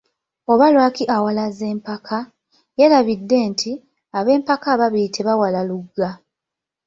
Oba lwaki awalaza empaka?yeerabidde nti, ab'empaka ababiri tebawala luga.